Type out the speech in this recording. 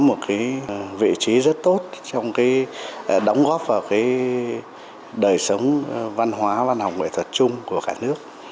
một cái vị trí rất tốt trong cái đóng góp vào cái đời sống văn hóa văn học nghệ thuật chung của cả nước